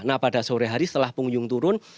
nah pada sore hari setelah pengunjung turun